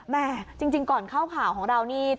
จริงก่อนเข้าข่าวของเรานี่